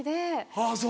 あぁそう。